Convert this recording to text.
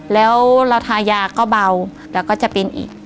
แล้วเราทายาก็เบาแล้วก็จะเป็นอีก